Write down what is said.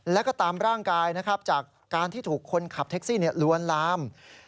และตามร่างกายจากการที่ถูกคนขับเท็กซี่ล้วนลาม